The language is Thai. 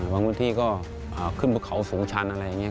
พื้นที่ก็ขึ้นบนเขาสูงชันอะไรอย่างนี้